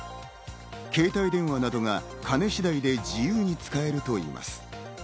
携帯電話などが金しだいで自由に使えるといいます。